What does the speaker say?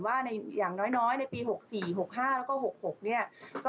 ว่าอย่างน้อยในปี๖๔๖๕แล้วก็๖๖เนี่ย